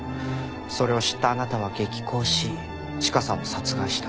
それを知ったあなたは激高しチカさんを殺害した。